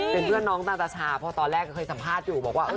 เป็นเพื่อนน้องตาตาชาเพราะตอนแรกเคยสัมภาษณ์อยู่บอกว่า